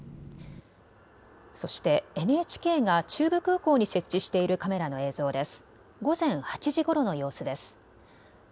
そしてＮＨＫが中部空港に設置しているカメラの映像です。